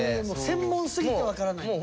もう専門すぎて分からない。